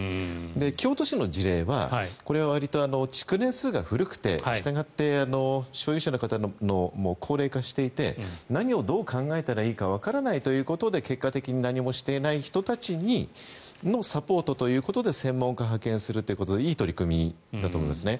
京都市の事例はこれはわりと築年数が古くてしたがって、所有者の方も高齢化していて何をどう考えたらいいかわからないということで結果的に何もしていない人たちのサポートということで専門家を派遣するということでいい取り組みだと思いますね。